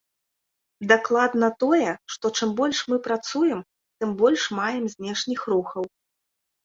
Дакладна тое, што чым больш мы працуем, тым больш маем знешніх рухаў.